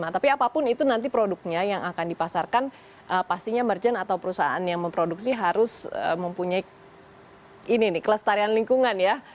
tapi apapun itu nanti produknya yang akan dipasarkan pastinya merchant atau perusahaan yang memproduksi harus mempunyai ini nih kelestarian lingkungan ya